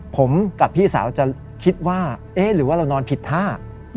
ผมกับพี่สาวจะคิดว่าเอ๊ะหรือว่าเรานอนผิดท่า